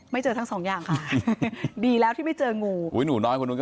ไม่เจอทั้งสองอย่างค่ะดีแล้วที่ไม่เจองู